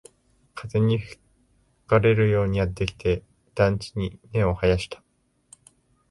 風に吹かれるようにやってきて、団地に根を生やした